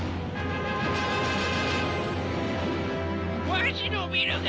わしのビルが！